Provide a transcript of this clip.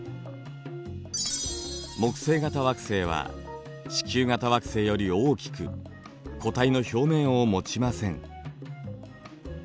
木星型惑星は地球型惑星より大きく固体の表面を持ちません。